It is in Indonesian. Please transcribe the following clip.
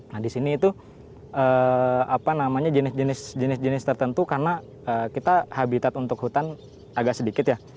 nah di sini itu apa namanya jenis jenis jenis tertentu karena kita habitat untuk hutan agak sedikit ya